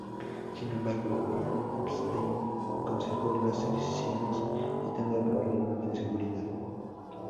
Sin embargo, Brian Epstein canceló las sesiones, citando problemas de seguridad.